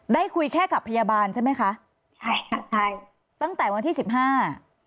ได้คุยแค่กับพยาบาลใช่ไหมคะใช่ค่ะใช่ตั้งแต่วันที่สิบห้า